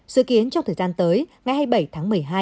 dự kiến trong thời gian tới ngày hai mươi bảy tháng một mươi hai